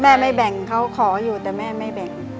แม่ไม่แบ่งเขาขออยู่แต่แม่ไม่แบ่ง